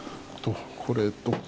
これとか。